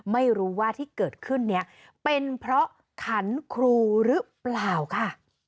ไม่รู้ว่าที่เกิดขึ้นนี้เป็นเพราะขันครูหรือเปล่าค่ะ